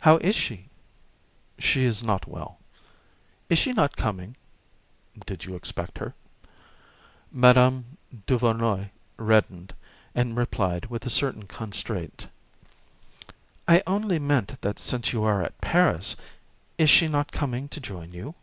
"How is she?" "She is not well." "Is she not coming?" "Did you expect her?" Madame Duvernoy reddened, and replied, with a certain constraint: "I only meant that since you are at Paris, is she not coming to join you?"